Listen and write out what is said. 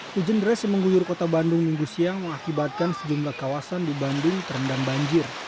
hujan deras yang mengguyur kota bandung minggu siang mengakibatkan sejumlah kawasan di bandung terendam banjir